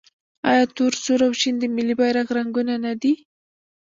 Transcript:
آیا تور، سور او شین د ملي بیرغ رنګونه نه دي؟